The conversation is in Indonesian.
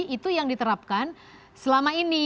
itu yang diterapkan selama ini